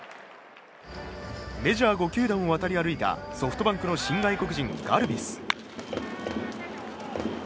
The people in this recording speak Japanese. メジャー５球団を渡り歩いたソフトバンクの新外国人ガルビス。